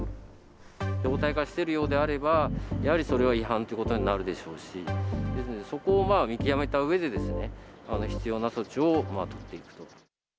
常態化しているようであれば、やはりそれは違反ということになるでしょうし、そこを見極めたうえで、必要な措置を取っていくと。